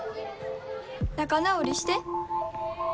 仲直りして。